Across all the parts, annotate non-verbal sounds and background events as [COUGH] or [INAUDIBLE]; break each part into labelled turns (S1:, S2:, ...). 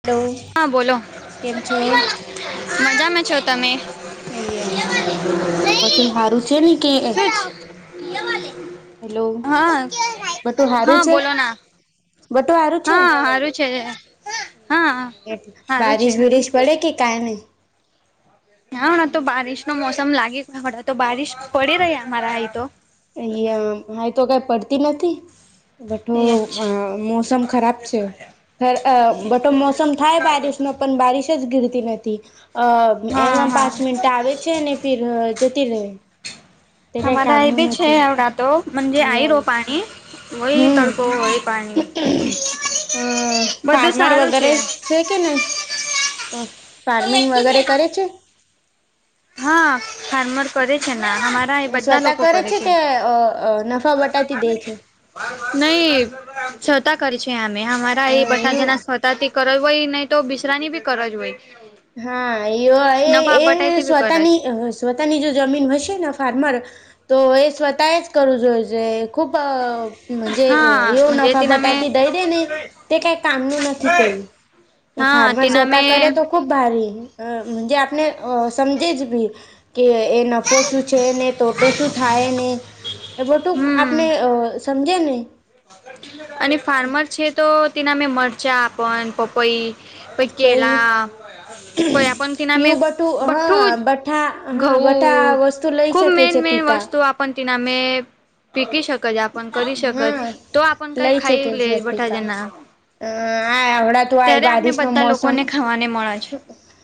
S1: Hello
S2: હા બોલો
S1: કેમ છો
S2: મજામાં છો તમે
S1: અ એમ બટું સારું છે ને કે હેલો
S2: હા
S1: બટું હારું
S2: હા
S1: છે
S2: બોલો ના
S1: બટું સારું છે
S2: હા સારું છે હા સારું છે
S1: બારીશ બીરશ પડે કે કાલે
S2: નાા ના તો બારિશ નો મોસમ લાગેડા તો બારીિશ પડી રહી અમારા હહી તો
S1: અહ આમ હાઈ તો કઈ પડતી નથી બઠો
S2: એ
S1: મોસમ ખરાબ છે અ બટો મોસમ થાય બારિશમાં પણ બારીશ જ ગીરતી નથી. અ
S2: હા
S1: એમાં
S2: હા
S1: પાંચ મિનિટ આવે છે, અને ફિર જતી રે તે કઈ
S2: અમારા
S1: કામનુ ન
S2: એ આવતા તો મજે આઈરો પાણી હોય
S1: હમ
S2: તડકો હોય પાણી.
S1: હમ
S2: બધું
S1: ફાર્મર
S2: સારું
S1: વગેરે છે, કે ને ફાર્મિંગ વગેરે કરે છે.
S2: હા ફાર્મર કરે છે, અમારા એ બધા લોકો કરે છે.
S1: નફા બટાતી દે છે
S2: નહી છતા કરી છે, હમે હમારા એ
S1: હા
S2: બઠા જના
S1: એવું
S2: સ્વતાથી કરવો હોય ને તો બિશરાની બી કરજ હોય
S1: હા એયો એ
S2: નફા
S1: એ
S2: બટાઈતી
S1: સ્વ
S2: બી કર
S1: તાની
S2: જ
S1: સ્વતાની જો જમીન હશે ફાર્મર તો તો એ સ્વતા એ જ કરવું જો જોએ ખૂબ મજે
S2: હાજ
S1: એવું નફા
S2: તેના મે
S1: બટાતી દઈ દે ને તે કઈ કામનું નથી પહી એ
S2: હા
S1: ફાર્મર
S2: તેના મે
S1: સ્વતા કરે તો ખૂબ ભારી જે આપને અ સમજે જ બી કે એ નફો શું છે, ને તોતો શું થાય ને એ બધું
S2: હમ
S1: આપને અ સમજેને.
S2: અને ફાર્મર છે, તો તે નામે મરચા પણ પપઈ પહી
S1: પઈ
S2: કેલા પહી આપન તી નામે
S1: યુ બટું
S2: બઠુજ
S1: હા બઠા
S2: ઘઉ
S1: હા બઠા વસ્તુ લઈ
S2: ખૂબ
S1: શકે
S2: મેન
S1: છે
S2: મેન
S1: પિકા
S2: વસ્તુ આપન તિનામે પિકી શકે જે આપન કરી શકત
S1: હા
S2: તો આપણ કઈ
S1: લઈ છે,
S2: ખાઈ
S1: કે
S2: લે
S1: જે
S2: બઠા
S1: પિકા
S2: જના
S1: હ આ હમણા તો આય
S2: ત્યારે આપને
S1: બારિશનો
S2: બધા
S1: મોસમ
S2: લોકોને ખાવાને મળે છે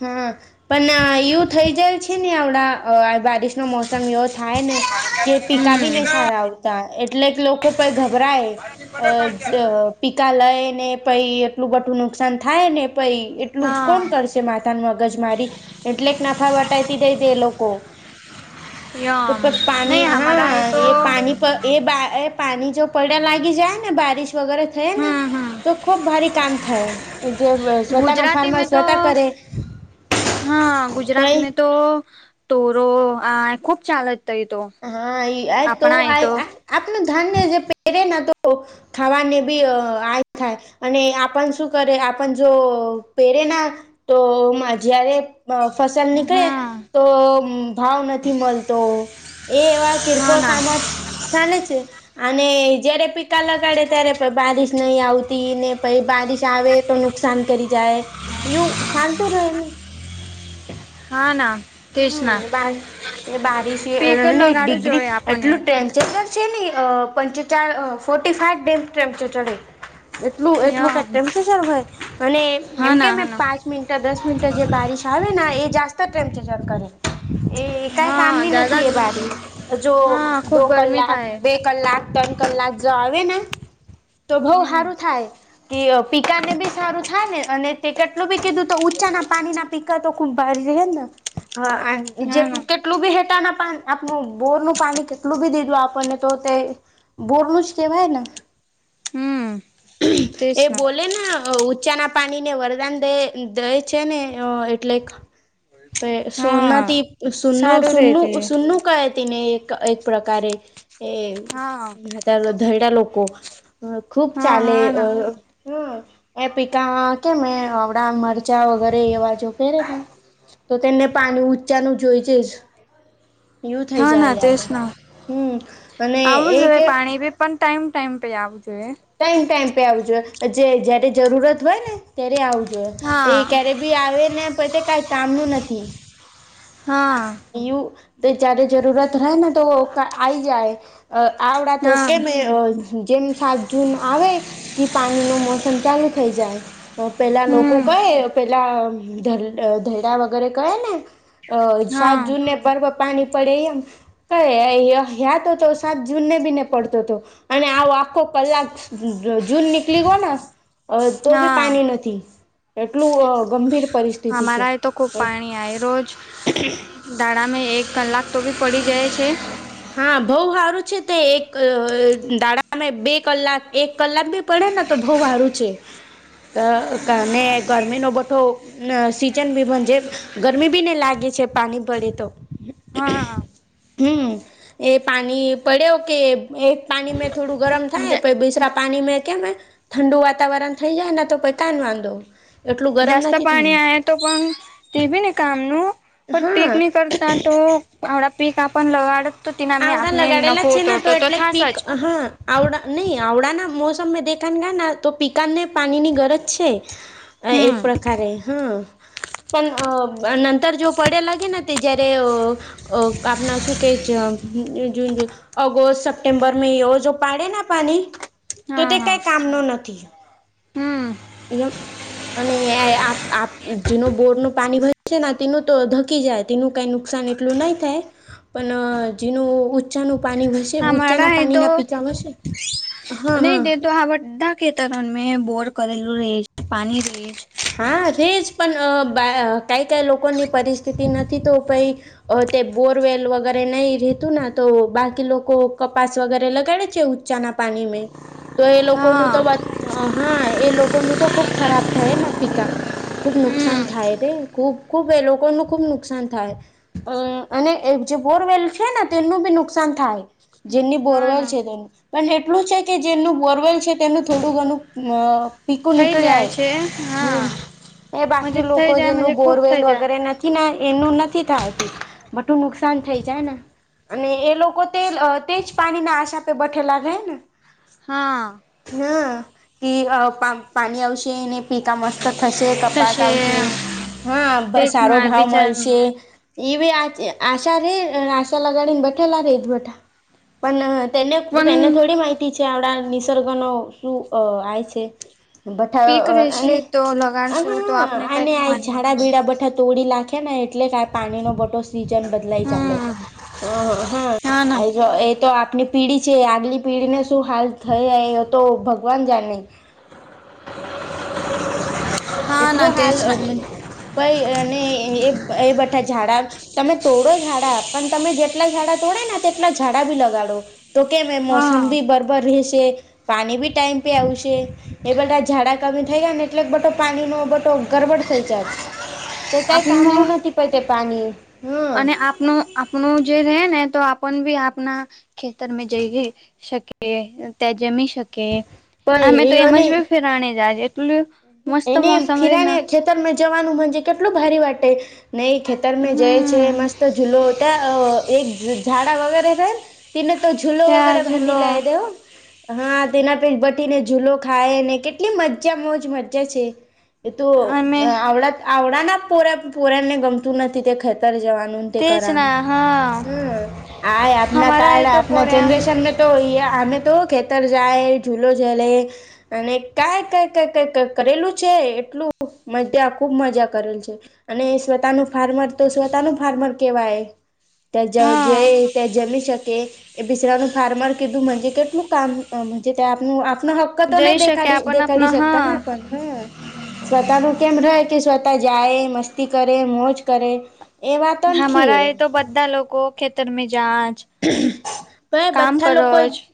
S1: હા પન એવું થઈ જાય છે, ને આવડા અ બારીશ નો મોસમ એવો થાય ને કે પીકા ભી ની
S2: હમ
S1: સારા આવતા એટલેક લોકો પન ગભરાય અ પીકા લય ને પહી એટલું બટું નુકસાન થાય ને પઈ એટલું
S2: હા
S1: કોણ કરશે માથા ન મગજ મારી એટલેક નફા વટાતી દે તે એ લોકો તો
S2: યમ
S1: પાની
S2: નહી હમારા
S1: હા
S2: તો
S1: એ પાની એ બા એ પાની જો પડ્યા લાગી જાય ને બારીશ વગેરે થયાને
S2: હમ હમ
S1: તો ખોભ ભારી કામ થાય જે સ્વતાના
S2: ગુજરાતી
S1: ફાર્મ
S2: મે તો હા ગુજરાત
S1: કઈ
S2: મે તો તોરો આ ખુબ ચાલે
S1: હા ઈ આજતો આ
S2: તો
S1: આપનું ધાન્ય જે પેરે ના ખાવાને બી આ થાય અને આપણ શું કરે આપણ જો પે ટેના તો મા જયારે અ ફસલ
S2: હમ
S1: નીકળે
S2: હા
S1: તો ભાવ નથી મલતો એ એવા કિરકોળ
S2: ના
S1: કામા ચાલે છે. અને જયારે પીકા લગાડે ત્યારે બારીશ નહી આવતી ને પહી બારીશ આવે તુન નુકસાન કરી જાય યુ શા તો રેહને
S2: હા ના તેજ ના
S1: હમ એ બારીશ
S2: સ્પીકર લગાડવું
S1: ડિગ્રી
S2: જોઈએ આપણને
S1: એટલું ટેન્સન [INAUDIBLE] એટલું એટલું કાઈ
S2: યમ
S1: ટેમ્પરેચર હોય અને
S2: હા
S1: એમ કેમ
S2: ના હા ના
S1: પાંચ મિનિટ દસ મિનિટ જે બારીશ હવે ના એ જાસ્ત ટટેમ્ચર કરે એ કઈ
S2: હા
S1: કામની ન થી એ બારિશ જો
S2: હા
S1: દો કલાક
S2: થાય
S1: બે કલાક તન કલાક જો આવે ને તો બઉ સારું
S2: હમ
S1: થાય કે પિકા ને બી સારું થાય ને અને તે કેટલું બી કીધું તો ઊંચા ના પાણીના પીકા તો ખુબ ભારે રહે ને હ આ
S2: હા
S1: જેટલું
S2: ના
S1: કેટલું બી હેટાના પા આપણું બોરનું પાણી કેટલું બી દીધું આપણને તો, તે બોરનું જ કેહેવાય ને.
S2: હમ
S1: એ બોલે ઊંચા ના પાણી ને વરદાન દે દે છે ને એટલે. તો સોના ત
S2: હા
S1: સુન
S2: સારું રે
S1: સુનન
S2: તે
S1: સુનનુ કાય તિને એક. એક પ્રકારે એ,
S2: હા
S1: ધૈડા લોકો. હ ખુબ
S2: હા
S1: ચાલે
S2: હા ના
S1: હ એ પતા કેમ હડા મર ઉચા વગેરે એવા જો કરે ને, તો તેને પાણી ઊંચાનું જોય છે.
S2: હા ના તે જ ના,
S1: હમ અને
S2: આવું
S1: એ
S2: જ હવે
S1: કે
S2: પાણી બી પણ ટાઈમ ટાઈમ પે આ આપ પ જોએ.
S1: ટાઈમ ટાઈમ પે આવજો જે જયારે જરૂરત હોય ને ત્યારે આવજો. એ
S2: હા
S1: ક્યારે બી આવે ને પોતે કઈ કામનું નથી.
S2: હા.
S1: જય્યારે જરૂરત રહેાય ને તો આઈ જાય. આવડા તો
S2: હા
S1: કેમે જેમ સા જૂન આવે, કે પાણી નું મોસમ ચાલુ થઈ જાય, પેલા લોકો
S2: હમ
S1: કહે પેલા ધરડા વગેરે કે ને,
S2: હા
S1: સાત જૂનને પર્વ પાણી પડેમ, કયા તો તો સાત જૂને બી ને પડતો હતો, અને આવ આખો કલાક જૂન નીકળી ગયો ને તો બી
S2: હા
S1: પાણી નથી. એટલું ગંભીર પરિસ્થિતિ છે, ક
S2: દાડામાં એક કલાક તો બી પડી જાય છે.
S1: હા બઉ સારું છે તે એક દાડામાં બે કલાક એક કલાક બી પ ે તો બઉ હારુ છે. ને ગરમી ન બટો સીઝન બીજ, ગરમી બી ને લાગે. છે પાણી પડે તો.
S2: હા.
S1: હમ એ પાણી પડ્યો કે એક પાણી મેં થોડું ગરમ થાય પ બીસરા પાણી મે કેમ, ઠંડુ વાતાવરણ થઈ જાય ને તો પઈ કાન વાંધો. એટલું ગરમ
S2: જાસ્ત
S1: નથી
S2: પાણી
S1: થાય
S2: આ તો પણ તે ભી ને કામનું. પણ પીક
S1: હા
S2: નની કરતા તો આડા પીક આપ લગાડ
S1: આવડા લગાડેલા છે ને તો એટલે
S2: થાસ
S1: પીક
S2: જ
S1: હા આવડા નહી આવડા ના મો મે દેખા ગા ના તો પીકનને પાણીની ગરજ છે, એક પ્રકારે હા. પણ નંતર જો પડ્યા લાગે ને તે જયારે, આપણા શું કેહે છે. જૂન જ ઓગસ્ટ સપ્ટેમ્બર મે એ જો પાડે ના પાણી. તો
S2: હા
S1: તે
S2: હા
S1: કઈ કામનો નથી.
S2: હમ
S1: એમ, અને જેનું બોર ન પાણી ભ છે તેનું તો ધકી જાય તેનું કઈ નુકસાન એટલું નહી થાય. પણ જેનું ઉચા ન પાણી હશે
S2: અમારા
S1: ઊંચાના
S2: એ
S1: પાણી
S2: તો
S1: ના પીતા હશે, હા હા.
S2: કેતરનમે બોર કરેલું રહે પણી રહી.
S1: હા રેજ પણ કઈ કઈ લોકોની પરિસ્થિતિ નથી તો કઈ. તે બોરવેલ વગેરે નહી ર રહેતું તો બાકી લોકો કપાસ વગેરે લગાડે છે ઉચ્ચા. પા તો એ લોકોનું તો
S2: હા
S1: હા એ લોકોનું તો ખુબ ખરાબ થાય. પિતા. ખુબ
S2: હમ
S1: નુકસાન થાય તે ખુબ ખુબ એ લોકો ન ખુબ નુકસાન થાય, અ અને બોરવેલ છે ને તેનું બી નુકસાન થાય, જેની
S2: હા
S1: બોરવેલ
S2: ના
S1: છે તેનું. એટલું છે કે જેમનું બોરવેલ છે તેનું થોડું ઘણું પીકું
S2: થઇ
S1: નીકળી
S2: જાય
S1: આય
S2: છે. હા
S1: હમ, એ બાકી
S2: થઈ
S1: લોકો
S2: જાય
S1: જેનું બોરવેલ
S2: થઈ જાય.
S1: વગેરે નથી ને. એનું નથી થાયત, બટું નુકસાન થઈ જાય ને. અને એ લોકો તે તેજ પાણીના આશાપે બેઠેલા થાય ને
S2: હા
S1: હ કે પાણી આવશે ને પીકા મસ્ત થશે કપાસ આવશે હા સારો ભાવ મળશે એ આશા રે આશા લગાડીને બઠેલા રેત બટા પણ ને તેને થોડી માહિતી છે આપણા નિસર્ગનો શું આ છે
S2: પીક
S1: બઠા
S2: રહેશે તો લગાડશું તો આપને કઈ
S1: અને આ
S2: ખાવાનું
S1: ઝાડા
S2: મળશે.
S1: બીડા બઠા તોડી લખ ે ને એટલે ક પાણીનો બોટો સ બદલા ચ્યો
S2: હમ
S1: હ
S2: હા ના
S1: એ તો આપની પીઢી છે આગલી પીઢીને શું હાલ થઈ એ તો ભગવાન જા નહી
S2: હા
S1: કેટલો
S2: ના તેજ
S1: હાલ
S2: ના
S1: પાઈ અનેને એ એ બટા ઝાડા તમે તોોડો ઝડા આપ પણ તમે જે જેટલા ઝાડા તોડે તેટલા ઝાડા ભી લગાડો તો કેમ એ મોસમ
S2: હા
S1: બી બરાબર રહેશે પાણી બી ટાઈમ પે આવશે એ બધા ઝાડા કમી થઈ ગયા ને એટલે બટા પાણી નો બટો ગરબડ થઈ જ જ તે કઈ
S2: આપનું
S1: કામનું નથી પ તે પાણી હમ
S2: અને આપનું આપણ જે રે ને તો પણ બી આપના ખેતરમાં જઈ શકીએ તે જેમી શકે
S1: પ
S2: અમે તો
S1: એ
S2: એમ જ
S1: અને
S2: ભી ફેરાણી જજે
S1: એને ફિરાની ખેતર મે જવાનું મજે કેટલું ભારે વાટે નહી ખેતર મે જય છે
S2: હમ
S1: મસ્ત ઝૂલો ત એક ઝાડા વગેરે રે તિને તો ઝૂલો વગેરે
S2: ત્યાં
S1: બાંધી
S2: જુલો
S1: લ એ દેવ હા તેના પે બટી ને ૂલો ખાય ને કેટલી મજા મોજ મજા છે એ તો
S2: અમે
S1: આવડા આવડાના પોર પોરાણને ગમતું નથી તે ખેતર જવાનું તે
S2: તેજ
S1: કરનું
S2: ના હા
S1: હમ આ આપના
S2: હમારા એ
S1: કાળા
S2: તો
S1: આપના
S2: પોર્યા
S1: જનરેશન તો અમે તો તર જાય ૂલો ઝલે અને કઈ ક ક કઈ કરેલું છે એટલું મજા ખુબ મજા કરેલ છે અને સ્વતાનું ફાર્મર તો સ્વતાનું ફાર્મર કેવા એ ત
S2: હા
S1: જે જમી શક કે બીસડાનું ફાર્મર કીધું કેટલું કામ ત આપું હક્ક તો
S2: જઈ
S1: ન
S2: શકે
S1: દેખડી
S2: આપણ
S1: દેાડી
S2: આપના હા
S1: શકતા સ્વતા ન કેમ રહે કે સ્વતા જાય મસ્તી કરે મોજ કરે એ વાતો નથી
S2: હમારા એ તો બધા લોકો ખેતર મે જજ
S1: ભાઈ બધા લોકો
S2: જ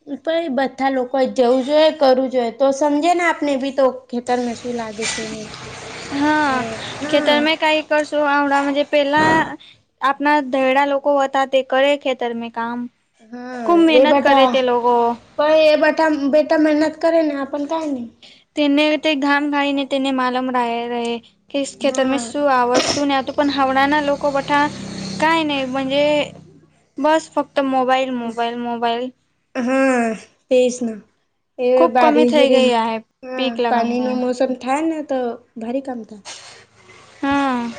S1: બધા લોકો જવું જોઈ કરવું જોઈએ તો સમજે ને આપણે તો ખેતરમાં શું લાગે છે એનું એ હા
S2: તો હમણાં પેલા આપણા દયડા લોકો હતા તે કરે ખેતર મેં કામ
S1: હા
S2: ખૂબ
S1: એ
S2: મહેનત કરે
S1: બટા
S2: તે લોકો
S1: પણ એ બટા બેટા મહેનત કરે ને આપ
S2: તેને તે ઘામ ઘાાઈ ને તેને માલમ રાાય રહે કે ખેતર
S1: હા
S2: શું આવાજ શું ને તોું પણ હાવડાના લોકોકવઠા કઈ નહીજે બસ ફક્ત તો મોબાઈલ મોબાઈલ મોબાઈલ
S1: હા તેજ ના એ
S2: ખુબ કમી
S1: બારીિશ
S2: થઈ
S1: બરશ
S2: ગઈ આ
S1: હા
S2: પીક
S1: પાણી ન
S2: લગાવવામાં
S1: મોસમ થાય ને તો ભારી કામ થ
S2: હા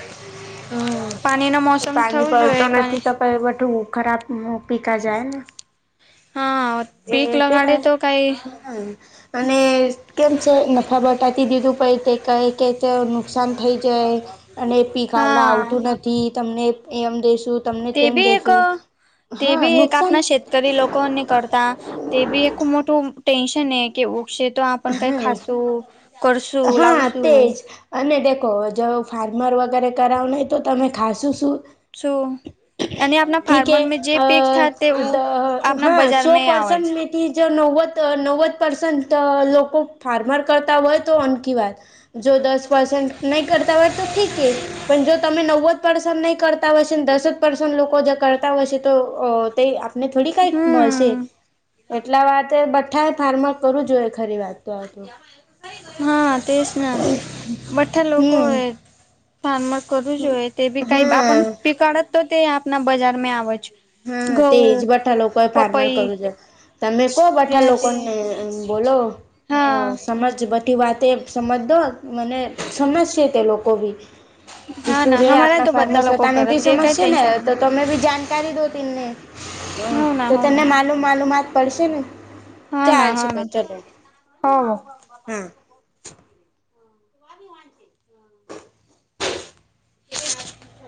S1: હમ
S2: પાણીનો
S1: એ
S2: મોસમ
S1: પાણી
S2: થવું
S1: પડતો
S2: જોઈએ પાણી
S1: નથી ક પ બઠવું ખરાબ પીકા જાય ને
S2: હા પીક લગાડ તો કઈ
S1: હા અને કેમ છે નફા બટાતી દીધું પ તે કહે કે તે નુકસાન થઈ જાય અને પીકાવળા
S2: હા
S1: આવતું નથી તમને એમ દેશું તમને
S2: તે
S1: તેમ
S2: બી એક
S1: દેશું
S2: તે
S1: હા
S2: બી એક
S1: નુકસાન
S2: આપના શેકરી લોકોની કરતા તે બી એક મોટું ટેન્શન એ કે ઉકશે તો આપ કઈ
S1: હા
S2: ખાસું
S1: હા તેજ અને દેખો જો ફાર્મર વગેરે કરાવ નં તો તમે ખાસું શું
S2: છું
S1: ઠીક હે
S2: તે
S1: અ દ
S2: આપણા
S1: હા સો
S2: બજારમાં આવે
S1: પરસન્ટ
S2: છે.
S1: મેથી જો નવવદ નવદ પ્રસન્ટ લોકો ફાર્મર કરતા હોય તો [UNINTELLIGIBLE] વાત જો દસ પર્સન્ટ ન કરતા હોય તો ઠીક એ પણ જો તમે નવ પસ નહી કરતા હોય છેને દસ જ પર્સ લોકો જે કરતા હોય છે તો તે આપને થોડી કંઈક મળશે
S2: હમ
S1: એટલા વાત બઠાએ ફાર્મર કરું જોઈએ ખરી વાત તાર તો
S2: હા તે જને બે ઠા લોકો
S1: હમ
S2: એ ફાર્મસ કરવું જોઈએ તે બી કઈ આપ
S1: હા
S2: પીકડત તો તે આપના બજારમાં આવે છે
S1: હા તેજ
S2: ઘઉં
S1: બઠા લોકો એ ફાર્માર
S2: પપઈ
S1: કરું છે તમે કો બઠા
S2: ત્યાંથી
S1: લોકોનેખ બોલો અ
S2: હા
S1: સમજ બ મોટી વાતે સમજ દો મને સમજશે તે લોકો બી
S2: હા
S1: શું
S2: ના
S1: રે
S2: હમારા તો
S1: આપણા
S2: બધા લોકો
S1: ફાર્મેસતાને
S2: કરે
S1: બી
S2: તે
S1: સમજ
S2: કઈ
S1: છે ને
S2: ટેન્શન
S1: તો
S2: નહી
S1: તમે બી જાણકારી દો તેમને
S2: હવ ના
S1: તો
S2: હવ
S1: તને
S2: ના
S1: માલુમ માલુમાત પડશે ને
S2: હા
S1: ચાલ
S2: ના
S1: છે
S2: હા
S1: ભાઈ
S2: ના
S1: ચલો
S2: હો
S1: હા.